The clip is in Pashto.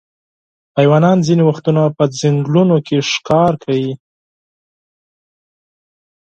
حیوانات ځینې وختونه په ځنګلونو کې ښکار کوي.